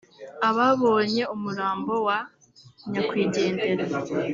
Ababonye umurambo wa Nyakwigendera